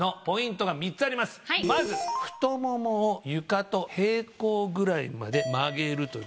まず太ももを床と平行ぐらいまで曲げるという。